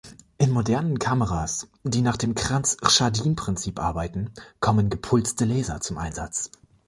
In modernen Kameras, die nach dem Cranz-Schardin Prinzip arbeiten, kommen gepulste Laser zum Einsatz.